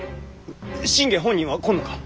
信玄本人は来んのか？